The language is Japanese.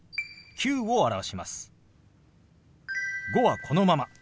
「５」はこのまま。